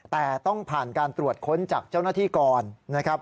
แต่ต้องผ่านการตรวจค้นจากเจ้าหน้าที่ก่อนนะครับ